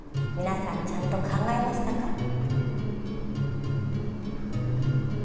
皆さんちゃんと考えましたか？